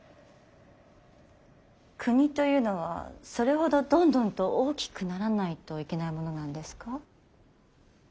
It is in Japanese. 国というのはそれほどどんどんと大きくならないといけないものなんですか？